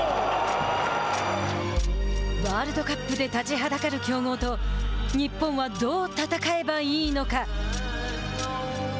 ワールドカップで立ちはだかる強豪と日本はどう戦えばいいのか。